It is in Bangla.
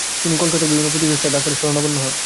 তিনি কলকাতার বিভিন্ন প্রথিতযশা ডাক্তারের শরণাপন্ন হন।